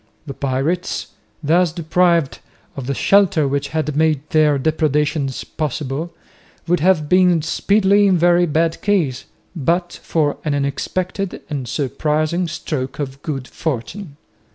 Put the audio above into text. The pirates, thus deprived of the shelter which had made their depredations possible, would have been speedily in very bad case, but for an unexpected and surprising stroke of good fortune.